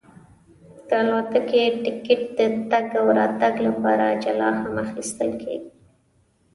د الوتکې ټکټ د تګ او راتګ لپاره جلا هم اخیستل کېږي.